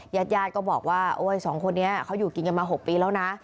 ญาติญาติก็บอกว่าโอ้ยสองคนนี้เขาอยู่กินกันมา๖ปีแล้วนะ